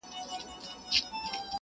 o په کتو یې بې ساغره بې شرابو نشه کيږم,